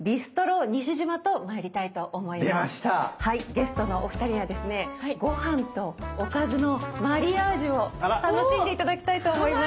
ゲストのお二人にはですねご飯とおかずのマリアージュを楽しんで頂きたいと思います。